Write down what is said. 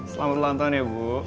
selamat ulang tahun ya bu